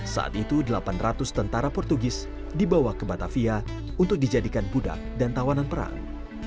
saat itu delapan ratus tentara portugis dibawa ke batavia untuk dijadikan budak dan tawanan perang